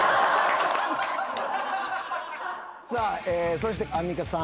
そしてアンミカさん。